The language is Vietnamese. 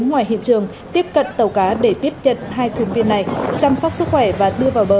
ngoài hiện trường tiếp cận tàu cá để tiếp nhận hai thuyền viên này chăm sóc sức khỏe và đưa vào bờ